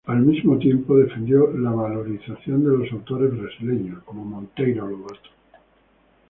Al mismo tiempo, defendió la valorización de los autores brasileños, como Monteiro Lobato.